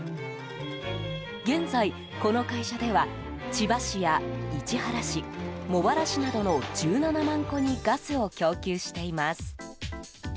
現在、この会社では千葉市や市原市、茂原市などの１７万戸にガスを供給しています。